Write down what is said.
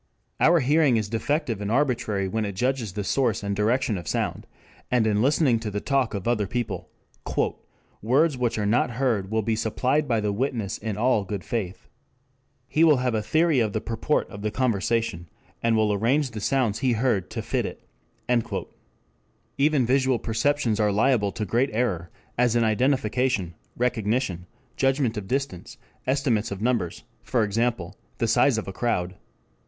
Our hearing is defective and arbitrary when it judges the source and direction of sound, and in listening to the talk of other people "words which are not heard will be supplied by the witness in all good faith. He will have a theory of the purport of the conversation, and will arrange the sounds he heard to fit it." Even visual perceptions are liable to great error, as in identification, recognition, judgment of distance, estimates of numbers, for example, the size of a crowd.